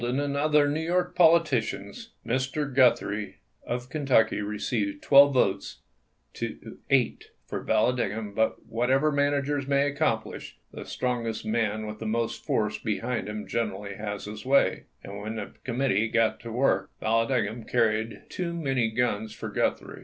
THE CHICAGO SUEEENDER 257 and other New York politician s," Mr. Guthrie of Kentucky received twelve votes to eight for Vallan digham ; but whatever managers may accomplish, the strongest man with the strongest force behind him generally has his way, and when the committee got to work Vallandigham carried too many guns for Guthrie.